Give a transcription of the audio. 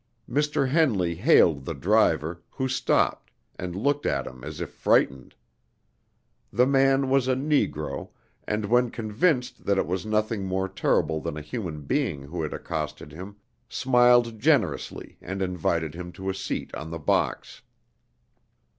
Mr. Henley hailed the driver, who stopped, and looked at him as if frightened. The man was a Negro, and, when convinced that it was nothing more terrible than a human being who had accosted him, smiled generously and invited him to a seat on the box.